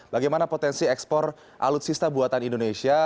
bagaimana potensi ekspor alutsista buatan indonesia